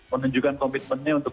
menunjukkan komitmennya untuk